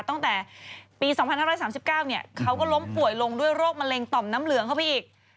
ตั้งแต่ปี๒๕๓๙เขาก็ล้มป่วยลงด้วยโรคมะเร็งต่อมน้ำเหลืองเข้าไปอีก